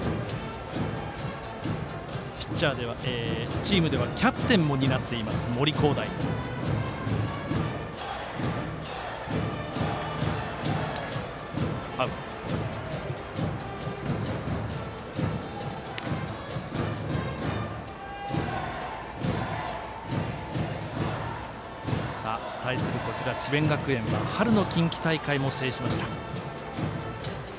チームではキャプテンも担っている森煌誠。対する智弁学園は春の近畿大会を制しました。